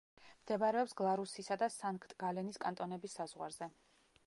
მდებარეობს გლარუსისა და სანქტ-გალენის კანტონების საზღვარზე.